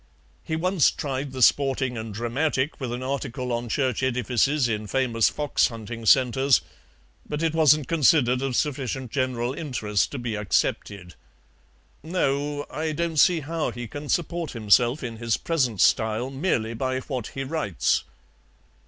He once tried the SPORTING AND DRAMATIC with an article on church edifices in famous fox hunting centres, but it wasn't considered of sufficient general interest to be accepted. No, I don't see how he can support himself in his present style merely by what he writes."